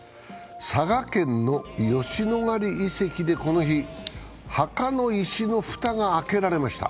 佐賀県の吉野ヶ里遺跡でこの日、墓の石の蓋が開けられました。